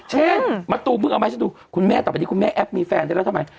เช่นมาตูมึงเอาไหมให้ฉันดูคุณแม่ต่อไปนี้คุณแม่แอปมีแฟนได้แล้วทำไม